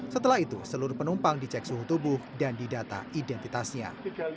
setelah itu seluruh penumpang dicek suhu tubuh dan didata identitasnya